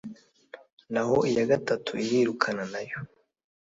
naho iya gatatu irirukana nayo